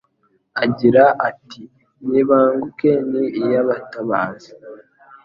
agira ati: Nibanguke ni iy’abatabazi